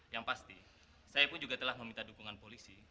yang pasti saya pun juga telah meminta dukungan polisi